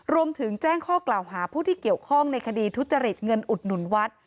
รวมถึงแจ้งข้อกล่าวหาผู้ที่เกี่ยวข้องในคดีทุจริตเงินอุดหนุนวัด